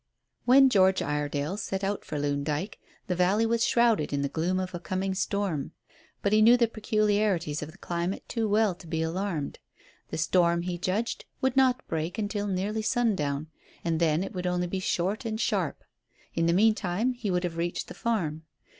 When George Iredale set out for Loon Dyke the valley was shrouded in the gloom of coming storm. But he knew the peculiarities of the climate too well to be alarmed. The storm, he judged, would not break until nearly sundown, and then it would only be short and sharp. In the meantime he would have reached the farm.